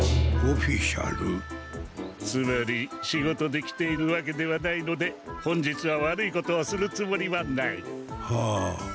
つまり仕事で来ているわけではないので本日は悪いことをするつもりはない。